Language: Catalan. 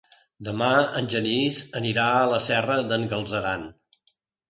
Demà en Genís anirà a la Serra d'en Galceran.